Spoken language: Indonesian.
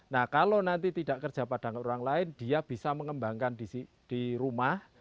nah kalau nanti tidak kerja pada orang lain dia bisa mengembangkan di rumah